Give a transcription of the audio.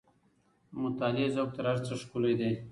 د مطالعې ذوق تر هر څه ښکلی دی.